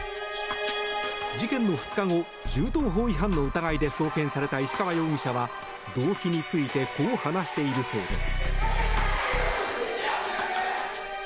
事件の２日後銃刀法違反の疑いで送検された石川容疑者は動機についてこう話しているそうです。